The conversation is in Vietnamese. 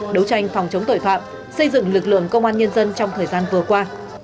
đấu tranh phòng chống tội phạm xây dựng lực lượng công an nhân dân trong thời gian vừa qua